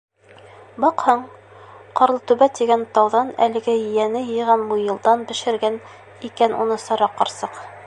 Баҡһаң, Ҡар-лытүбә тигән тауҙан әлеге ейәне йыйған муйылдан бешергән икән уны Сара ҡарсыҡ.